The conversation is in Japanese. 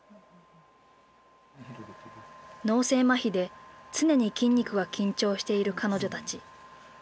脳性まひで常に筋肉が緊張している彼女たち。